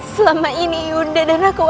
selama ini udah dan aku